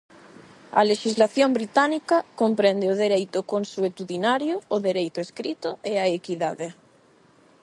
A lexislación británica comprende o dereito consuetudinario, o dereito escrito e a equidade.